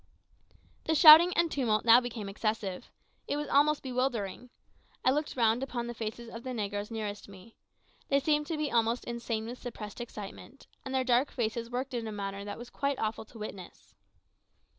The shouting and tumult now became excessive. It was almost bewildering. I looked round upon the faces of the negroes nearest to me. They seemed to be almost insane with suppressed excitement, and their dark faces worked in a manner that was quite awful to witness.